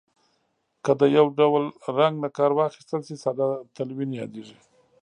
که د یو ډول رنګ نه کار واخیستل شي ساده تلوین یادیږي.